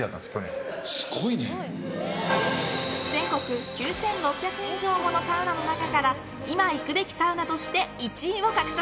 全国９６００以上ものサウナの中から今行くべきサウナとして１位を獲得！